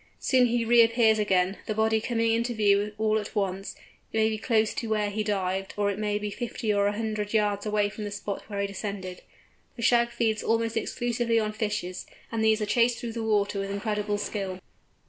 Soon he reappears again, the body coming into view all at once, it may be close to where he dived, or it may be fifty or a hundred yards away from the spot where he descended. The Shag feeds almost exclusively on fishes, and these are chased through the water with incredible skill.